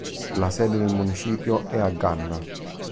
La sede del municipio è a Ganna.